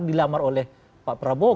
dilamar oleh pak prabowo